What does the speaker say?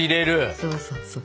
そうそうそう。